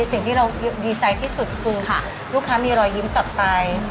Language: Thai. สิ่งที่เราดีใจที่สุดคือลูกค้ามีรอยยิ้มกลับไป